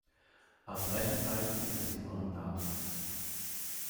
Als Rechenzeichen ist es jüngeren Datums.